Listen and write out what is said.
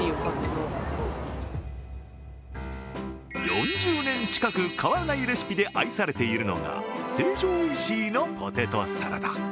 ４０年近く変わらないレシピで愛されているのが成城石井のポテトサラダ。